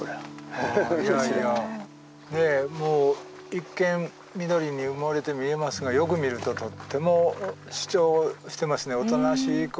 ねえもう一見緑に埋もれて見えますがよく見るととっても主張してますねおとなしく。